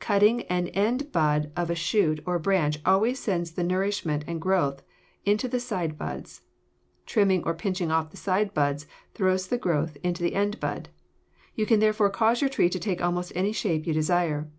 Cutting an end bud of a shoot or branch always sends the nourishment and growth into the side buds. Trimming or pinching off the side buds throws the growth into the end bud. You can therefore cause your tree to take almost any shape you desire.